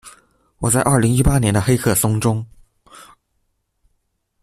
我在二零一八年的黑客松中